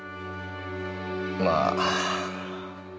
まあ。